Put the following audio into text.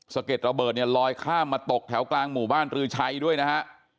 เก็ดระเบิดเนี่ยลอยข้ามมาตกแถวกลางหมู่บ้านรือชัยด้วยนะฮะ